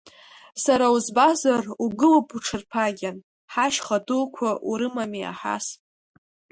Сара узбазар, угылоуп уҽырԥагьан, ҳашьха дуқәа урымами аҳас.